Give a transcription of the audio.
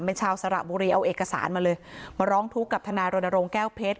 เป็นชาวสระบุรีเอาเอกสารมาเลยมาร้องทุกข์กับทนายรณรงค์แก้วเพชร